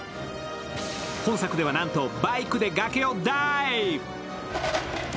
本作ではなんとバイクで崖をダイブ！